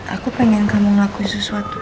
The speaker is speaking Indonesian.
aku pengen kamu ngakui sesuatu